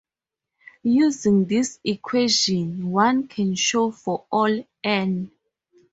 Using this equation, one can show for all "n".